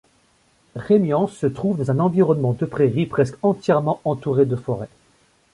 Remience se trouve dans un environnement de prairies presque entièrement entourées de forêts.